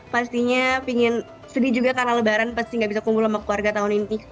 pastinya pengen sedih juga karena lebaran pasti gak bisa kumpul sama keluarga tahun ini